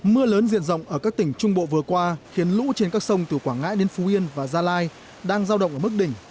mưa lớn diện rộng ở các tỉnh trung bộ vừa qua khiến lũ trên các sông từ quảng ngãi đến phú yên và gia lai đang giao động ở mức đỉnh